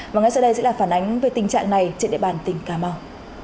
và ngay sau đây sẽ là phản ánh về tình trạng này trên địa bàn tỉnh cà mau